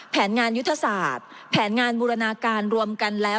แผนงานยุทธศาสตร์แผนงานบูรณาการรวมกันแล้ว